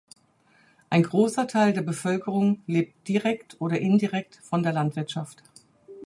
Ein großer Teil der Bevölkerung lebt direkt oder indirekt von der Landwirtschaft.